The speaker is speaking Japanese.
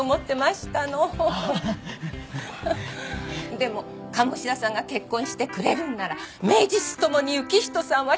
でも鴨志田さんが結婚してくれるんなら名実共に行人さんは独り立ち出来るわ！